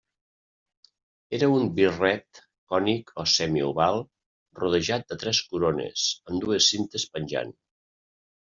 Era un birret cònic o semioval rodejat de tres corones, amb dues cintes penjant.